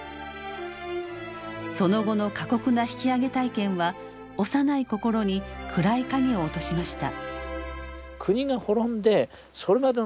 その後の過酷な引き揚げ体験は幼い心に暗い影を落としました。